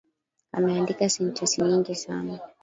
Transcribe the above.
Ameandika sentensi nyingi sana.